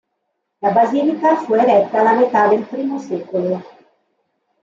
La basilica fu eretta alla metà del I secolo.